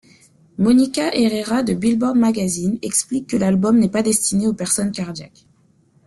Monica Herrera de Billboard Magazine explique que l'album n'est pas destiné aux personnes cardiaques.